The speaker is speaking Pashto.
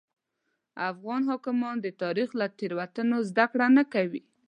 افغان حاکمان د تاریخ له تېروتنو زده کړه نه کوي.